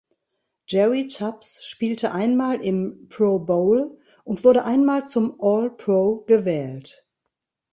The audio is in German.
Jerry Tubbs spielte einmal im Pro Bowl und wurde einmal zum All Pro gewählt.